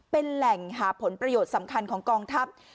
เป็นแหล่งหาผลประโยชน์สำคัญของกองทัพ